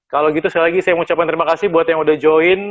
kalau gitu sekali lagi saya mengucapkan terima kasih buat yang udah join